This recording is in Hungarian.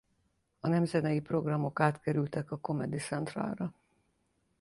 A nem zenei programok átkerültek a Comedy Central-ra.